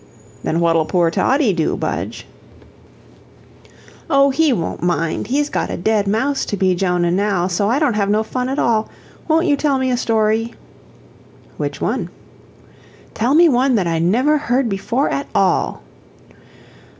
"Then what'll poor Toddie do, Budge?" "Oh, he won't mind he's got a dead mouse to be Jonah now, so I don't have no fun at all. Won't you tell me a story?" "Which one?" "Tell me one that I never heard before at all."